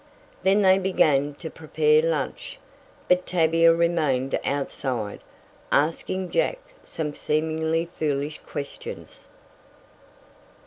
Then they began to prepare lunch, but Tavia remained outside, asking Jack some seemingly foolish questions.